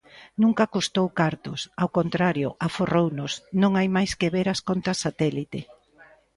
Nunca custou cartos, ao contrario, aforrounos, non hai máis que ver as contas satélite.